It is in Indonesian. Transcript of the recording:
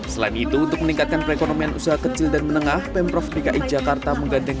selain itu untuk meningkatkan perekonomian usaha kecil dan menengah pemprov dki jakarta menggandeng